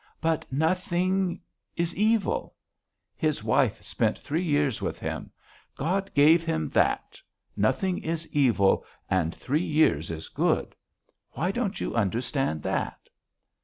But nothing is evil! His wife spent three years with him. God gave him that. Nothing is evil, and three years is good. Why don't you understand that?"